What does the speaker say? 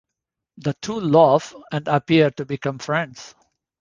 The two laugh and appear to become friends.